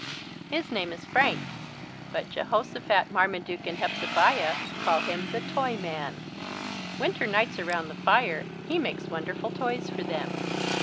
His name is Frank, but Jehosophat, Marmaduke, and Hepzebiah call him "the Toyman." Winter nights around the fire he makes wonderful toys for them.